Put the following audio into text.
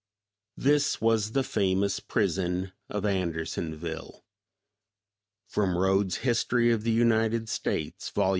This was the famous prison of Andersonville." From Rhodes' History of the United States, Vol.